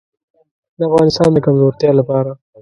د افغانستان د کمزورتیا لپاره.